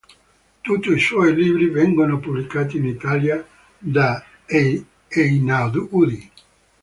Tutti i suoi libri vengono pubblicati in Italia da Einaudi.